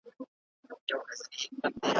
باورونه باید د پرمختګ خنډ نسي.